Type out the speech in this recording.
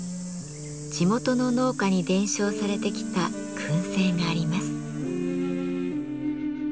地元の農家に伝承されてきた燻製があります。